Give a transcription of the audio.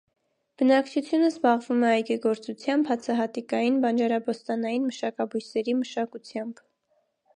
Բնակչությունը զբաղվում է այգեգործությամբ, հացահատիկային, բանջարաբոստանային մշակաբույսերի մշակությամբ։